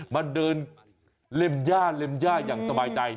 มาเดินเล็มญาอย่างสบายใจ